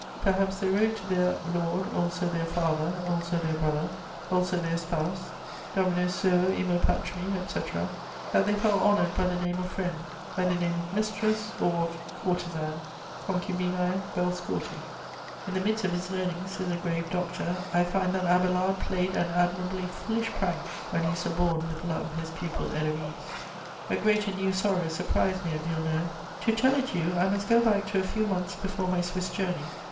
Perhaps they wrote to their "lord, also their father, also their brother, also their spouse: domino suo, imo patri," etc., that they felt honoured by the name of friend, by the name of "mistress" or of "courtesan: concubinæ vel scorti." "In the midst of his learning," says a grave doctor, "I find that Abélard played an admirably foolish prank when he suborned with love his pupil Héloïse." [Sidenote: Illness of Lucile.] A great and new sorrow surprised me at Villeneuve. To tell it you, I must go back to a few months before my Swiss journey.